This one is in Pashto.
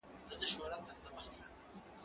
زه له پرون راهیسې کار کوم!؟